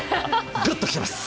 グッと来てます！